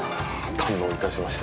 堪能いたしました。